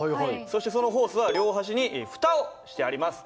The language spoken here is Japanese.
そしてそのホースは両端にふたをしてあります。